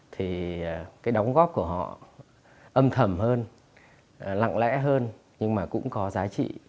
thì cái đóng góp của họ âm thầm hơn lặng lẽ hơn nhưng mà cũng có giá trị